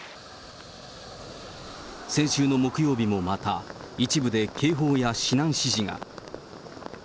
先週の木曜日もまた、一部で警報や避難指示が。